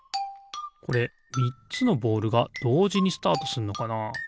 これみっつのボールがどうじにスタートすんのかな？